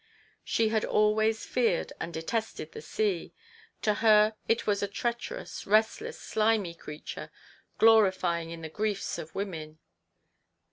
She had always feared and detested the sea; to her it was a treacherous, restless, slimy creature, glorying in the griefs of women.